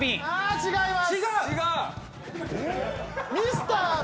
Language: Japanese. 違います！